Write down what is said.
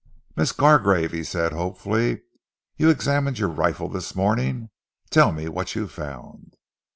"Miss Gargrave," he said hopefully, "you examined your rifle this morning. Tell me what you found?"